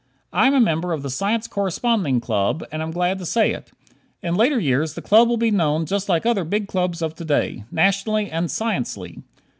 I am a member of the Science Corresponding Club and am glad to say it. In later years the club will be known just like other big clubs of to day, "Nationally and Sciencelly."